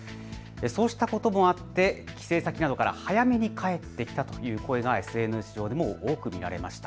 そうしたこともあって帰省先などから早めに帰ってきたという声がＳＮＳ上でも多く見られました。